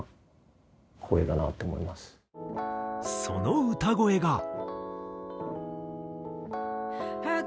その歌声が。